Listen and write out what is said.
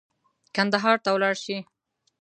کندهار ته ولاړ شي.